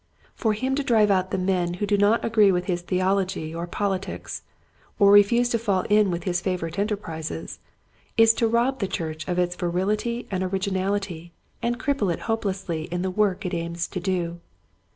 For him to drive out the men who do not agree with his theol ogy or politics, or refuse to fall in with his favorite enterprises, is to rob the church of its virility and originality and cripple it hopelessly in the work it aims to do.